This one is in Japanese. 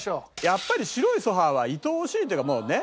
やっぱり白いソファーはいとおしいっていうかもうね。